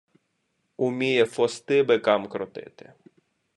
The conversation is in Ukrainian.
Уміє фости бикам крутити.